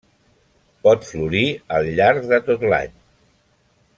Pot florir al llarg de tot l'any.